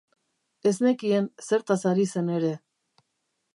Ez nekien zertaz ari zen ere.